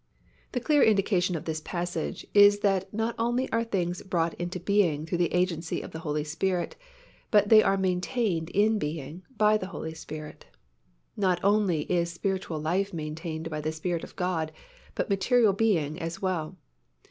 The clear indication of this passage is that not only are things brought into being through the agency of the Holy Spirit, but that they are maintained in being by the Holy Spirit. Not only is spiritual life maintained by the Spirit of God but material being as well.